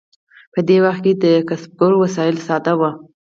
په دې وخت کې د کسبګرو وسایل ساده وو.